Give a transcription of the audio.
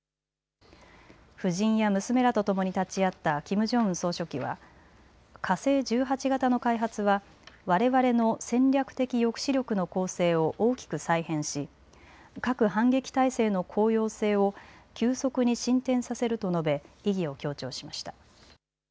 夫人や娘らとともに立ち会ったキム・ジョンウン総書記は火星１８型の開発はわれわれの戦略的抑止力の構成を大きく再編し核反撃態勢の効用性を急速に進展させると述べ意義を強調しました。